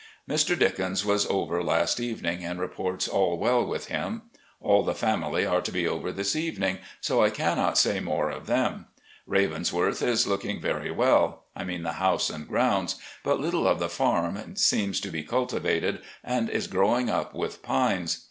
Mr. Didcens was over last evening, and reports all well with him. All the family are to be over this evening, so I cannot say more of them. Ravens worth is looking very well — I mean the house and groimds, but little of the farm seems to be cultivated, and is grow ing up with pines.